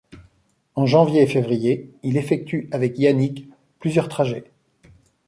En janvier et février, il effectue avec Yannig plusieurs trajets.